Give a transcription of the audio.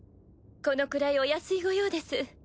このくらいお安い御用です。